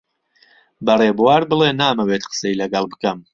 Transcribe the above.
بە ڕێبوار بڵێ نامەوێت قسەی لەگەڵ بکەم.